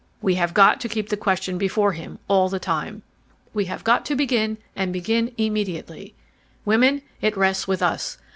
We have got to keep the question before him all the time. We have got to begin and begin immediately. "Women, it rests with us.